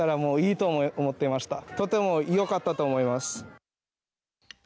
とてもよかったと思います。